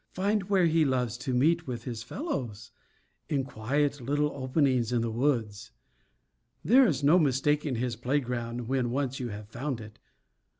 Find where he loves to meet with his fellows, in quiet little openings in the woods. There is no mistaking his playground when once you have found it.